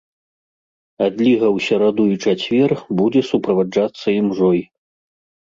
Адліга ў сераду і чацвер будзе суправаджацца імжой.